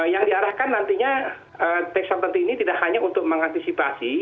yang diarahkan nantinya tax company ini tidak hanya untuk mengantisipasi